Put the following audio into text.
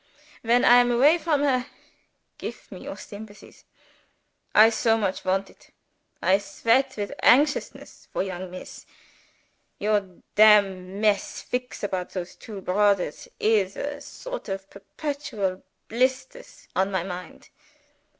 When I am away from her gif me your sympathies: I so much want it I sweat with anxiousness for young Miss. Your damn mess fix about those two brodders is a sort of perpetual blisters on my mind.